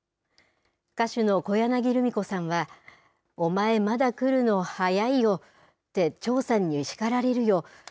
歌手の小柳ルミ子さんは、お前まだ来るの早いよ！って長さんに叱られるよ。